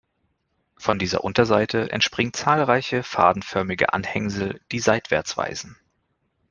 Von dieser Unterseite entspringen zahlreiche fadenförmige Anhängsel, die seitwärts weisen.